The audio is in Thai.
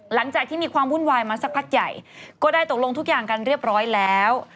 หลังจากที่มีความวุ่นวายมาสักพักใหญ่ก็ได้ตกลงทุกอย่างกันเรียบร้อยแล้ว